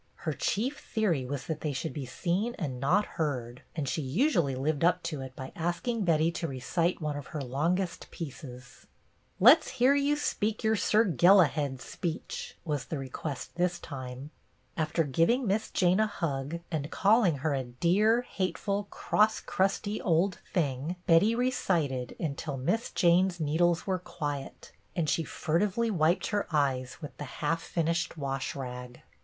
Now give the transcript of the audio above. Her chief theory was that they should be seen and not heard, and she usu ally lived up to it by asking Betty to recite one of her longest " pieces." " Let 's hear you speak your Sir Gellihed speech," was the request this time. After giving Miss Jane a hug, and calling her a "dear, hateful, crosscrusty old thing," Betty recited until Miss Jane's needles were quiet, and she furtively wiped her eyes with the half finished wash rag.